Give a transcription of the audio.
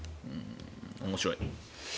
面白い。